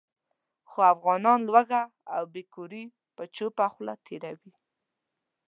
خو افغانان لوږه او بې کوري په چوپه خوله تېروي.